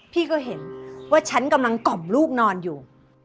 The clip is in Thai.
พี่ก็เห็นว่าฉันกำลังกล่อมลูกนอนอยู่